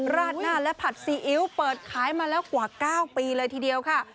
ราดหน้าและผัดซีอิ๊วเปิดขายมาแล้วกว่า๙ปีเลยทีเดียวค่ะ